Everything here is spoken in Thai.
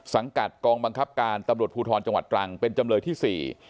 สังกัดกองบังคับการตำรวจภูทรจังหวัดตรังเป็นจำเลยที่สี่